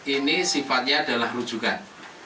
ini sifatnya adalah rujukan